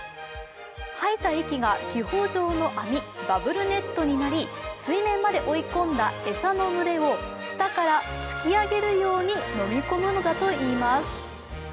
吐いた息が気泡状の網＝バブルネットになり水面まで追い込んだ餌の群れを下から突き上げるように飲み込むのだといいます。